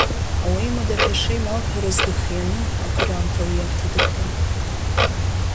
Ауеимадаҳәа ишеималҭәарыз дыхианы акыраамҭа лиарҭа дықәтәан.